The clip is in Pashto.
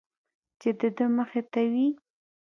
چې د ده مخې ته وي.